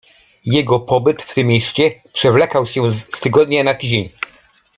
Jego pobyt w tym mieście przewlekał się z tygodnia na tydzień.